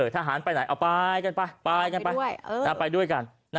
ทหารไปไหนเอาไปกันไปด้วยกัน